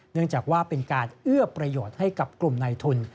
เนื่องจากว่าเป็นการเอื้อประโยชน์ให้กับกลุ่มในทุน